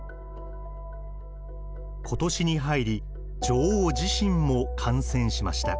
今年に入り女王自身も感染しました。